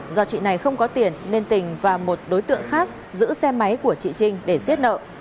do chị này không có tiền nên tình và một đối tượng khác giữ xe máy của chị trinh để xét nợ